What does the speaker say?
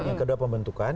yang kedua pembentukan